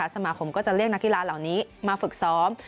สมาคมก็จะเรียกนักกีฬาเหล่านี้มาฝึกซ้อม